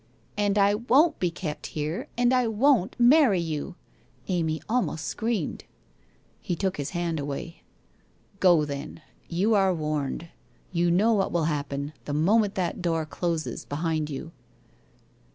' And I won't be kept here, and I won't marry you/ Amy almost screamed. He took his hand away. ' Go then. You are warned. You know what will happen, the moment that door closes behind you?'